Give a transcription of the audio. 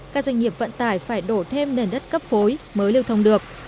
các doanh nghiệp vận tải phải đổ thêm nền đất cấp phối mới lưu thông được